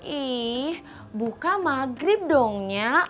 ih buka maghrib dong ya